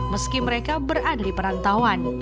meski mereka berada di perantauan